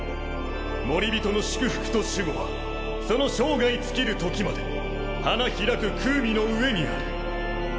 モリビトの祝福と守護はその生涯尽きるときまで花開くクウミのうえにある。